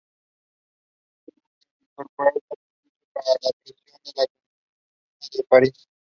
Tuvo que reincorporarse al servicio para la represión de la Comuna de París.